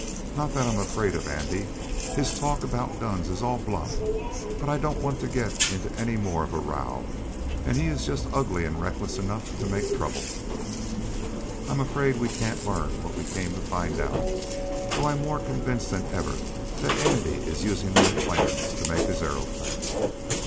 "Not that I'm afraid of Andy. His talk about guns is all bluff; but I don't want to get into any more of a row, and he is just ugly and reckless enough to make trouble. I'm afraid we can't learn what we came to find out, though I'm more convinced than ever that Andy is using my plans to make his aeroplane."